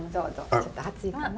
ちょっと熱いかな？